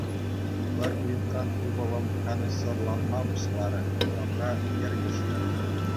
Пӗр уйӑхран ывӑлӑм канӑҫсӑрланма пуҫларӗ, урамра йӗрмӗшрӗ.